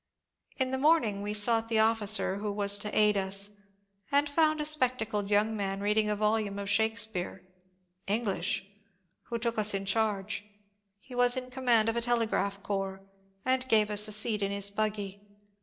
In the morning we sought the officer who was to aid us, and found a spectacled young man reading a volume of Shakespeare (English), who took us in charge. He was in command of a telegraph corps, and gave us a seat in his buggy.